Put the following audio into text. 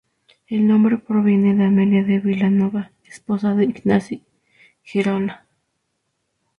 El nombre proviene de Amelia de Vilanova, esposa de Ignasi Girona.